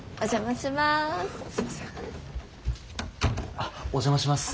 あっお邪魔します。